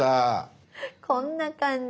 「こんな感じ！」。